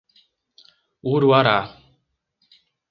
Uruará